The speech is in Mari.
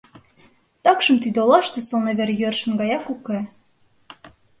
Такшым тиде олаште сылне вер йӧршын гаяк уке.